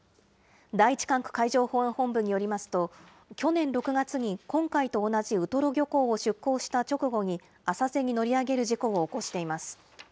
第１管区海上保安本部によりますと、去年６月に今回と同じウトロ漁港を出港した直後に浅瀬に乗り上げる事故を起こしています。